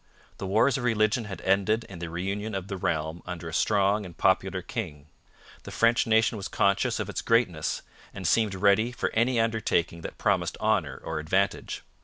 The Wars of Religion had ended in the reunion of the realm under a strong and popular king. The French nation was conscious of its greatness, and seemed ready for any undertaking that promised honour or advantage.